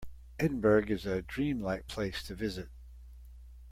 Edinburgh is a dream-like place to visit.